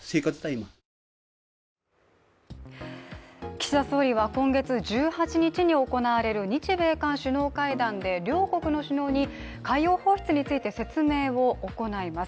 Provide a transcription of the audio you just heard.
岸田総理は今月１８日に行われる日米韓首脳会談で両国の首脳に海洋放出について説明を行います。